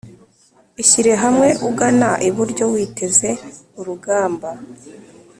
Ishyire hamwe ugana iburyo witeze urugamba